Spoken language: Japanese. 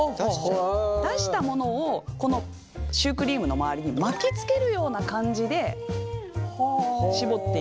出したものをこのシュークリームの周りに巻きつけるような感じで絞っていく。